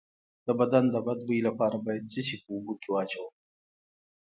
د بدن د بد بوی لپاره باید څه شی په اوبو کې واچوم؟